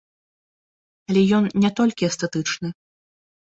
Але ён не толькі эстэтычны.